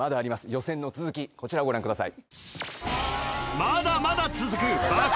予選の続きこちらをご覧ください